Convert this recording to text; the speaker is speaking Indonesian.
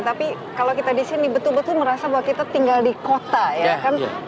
tapi kalau kita di sini betul betul merasa bahwa kita tinggal di kota ya kan